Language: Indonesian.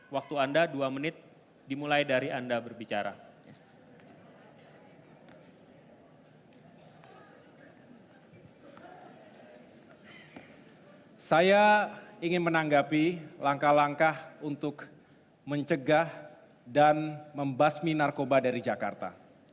waktu anda dua menit dimulai dari anda berbicara